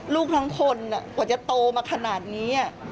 ลูกทั้งคนเพราะตัวโตมาขนาดนี้